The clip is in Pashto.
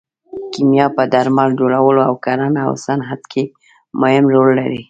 کیمیا په درمل جوړولو او کرنه او صنعت کې مهم رول لري.